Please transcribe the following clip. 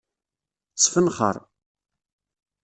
Sfenxeṛ.